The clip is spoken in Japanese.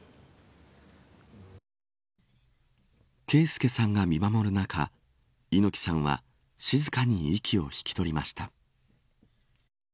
啓介さんが見守る中猪木さんは静かに息を引き取りました。